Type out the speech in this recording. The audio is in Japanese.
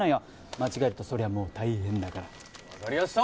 間違えるとそりゃもう大変だから分かりやした！